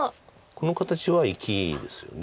この形は生きですよね。